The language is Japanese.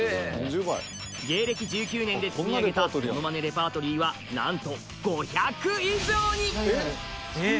芸歴１９年で積み上げたものまねレパートリーはなんと５００以上に！